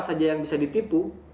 saja yang bisa ditipu